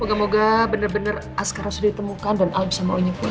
moga moga benar benar askara sudah ditemukan dan al bisa maunya pulang